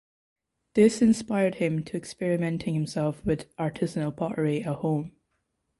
This inspired him to experimenting himself with artisanal pottery at home.